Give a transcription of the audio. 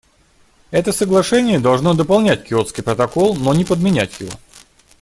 Это соглашение должно дополнять Киотский протокол, но не подменять его.